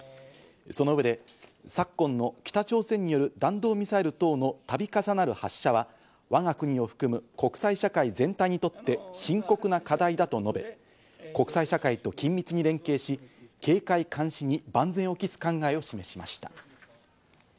その上で昨今の北朝鮮による弾道ミサイル等の度重なる発射は我が国を含む国際社会全体にとって深刻な課題だと述べ、国際社会と緊密に連携し、警戒監視に万全を期す考えを示しました。